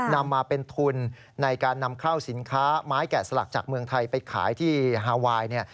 นำมาเป็นทุนในการนำเข้าสินค้าไม้แกะสลักจากเมืองไทยไปขายที่ฮาไวน์เนี่ย